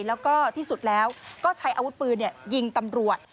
แล้วก็ที่สุดแล้วก็ใช้อาวุธปืนยิงตำรวจ